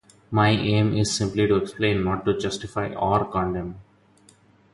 My aim is simply to explain, not to justify or condemn.